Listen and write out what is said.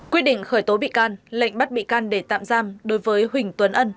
quyết định khởi tố bị can lệnh bắt bị can để tạm giam đối với huỳnh tuấn ân